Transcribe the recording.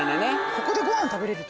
ここでご飯食べれる？